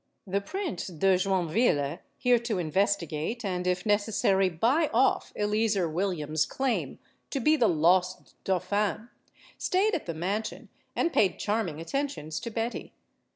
The Prince de Joinville here to investigate, and if necessary buy off, Eleazer Williams* claim to be the "lost Dauphin" stayed at the mansion and paid charming attentions to Betty.